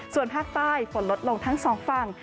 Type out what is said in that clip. ส่วนภาคใต้ฝนลดลงทั้งสองฝั่ง